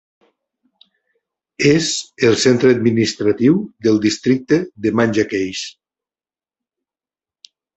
És el centre administratiu del districte de Manjacaze.